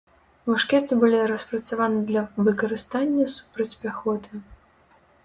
Мушкеты былі распрацаваны для выкарыстання супраць пяхоты.